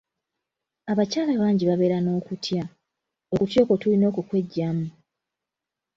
Abakyala bangi babeera n'okutya, okutya okwo tulina okukweggyamu.